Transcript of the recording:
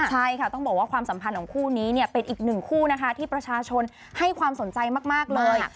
ใช่ค่ะต้องบอกว่าความสัมพันธ์ของคู่นี้เนี่ยเป็นอีกหนึ่งคู่นะคะที่ประชาชนให้ความสนใจมากเลย